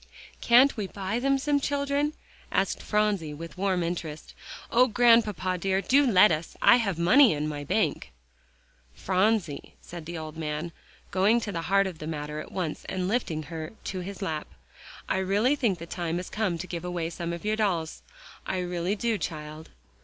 "Can't we buy them some children?" asked Phronsie with warm interest. "Oh, Grandpapa dear, do let us; I have money in my bank." "Phronsie," said the old gentleman, going to the heart of the matter at once and lifting her to his lap, "I really think the time has come to give away some of your dolls. I really do, child."